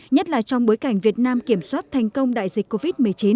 nhất là trong bối cảnh việt nam kiểm soát thành công đại dịch covid một mươi chín